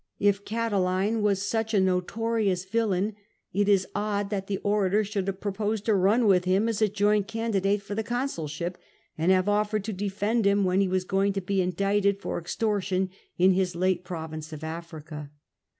If Catiline was such a notorious villain, it is odd that the orator should have proposed to run with him as a joint candidate for the consulship, and have offered to defend him when he was going to be indicted for extortion in his late province of Africa.